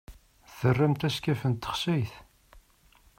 Tramt askaf n texsayt?